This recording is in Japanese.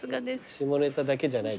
下ネタだけじゃない。